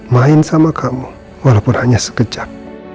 main sama kamu walaupun hanya sekejap